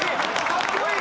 かっこいい！